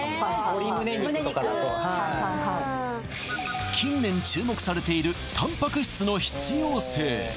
鶏むね肉とかだとむね肉近年注目されているたんぱく質の必要性